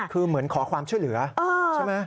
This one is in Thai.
คือเหมือนขอความช่วยเหลือใช่ไหม